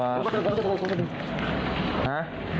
หา